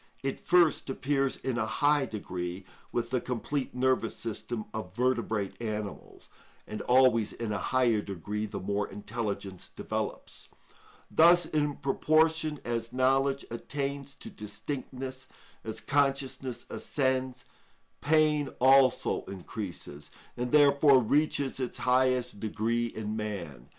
It first appears in a high degree with the complete nervous system of vertebrate animals, and always in a higher degree the more intelligence develops. Thus, in proportion as knowledge attains to distinctness, as consciousness ascends, pain also increases, and therefore reaches its highest degree in man.